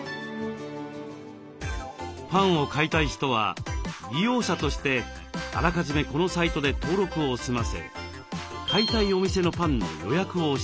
パンを買いたい人は利用者としてあらかじめこのサイトで登録を済ませ買いたいお店のパンの予約をしておきます。